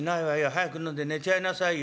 早く飲んで寝ちゃいなさいよ」。